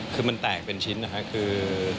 คือมันแตกเป็นชิ้นนะคะคือ